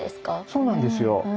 そうなんですよ。